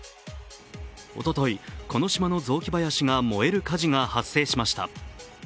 おととい、この島の雑木林が燃える火事が発生しました。